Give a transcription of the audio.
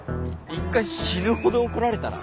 一回死ぬほど怒られたら？